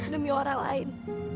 demi orang lain